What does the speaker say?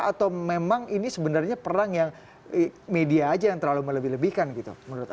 atau memang ini sebenarnya perang yang media aja yang terlalu melebih lebihkan gitu menurut anda